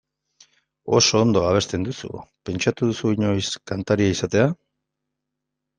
Oso ondo abesten duzu, pentsatu duzu inoiz kantaria izatea?